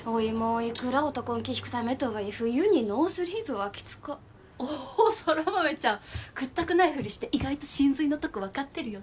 いくら男ん気ひくためとはいえ冬にノースリーブはきつか空豆ちゃんくったくないふりして意外と神髄のとこ分かってるよね